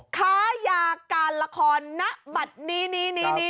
ค้ายาการละครนะบัตรนี้นี้นี้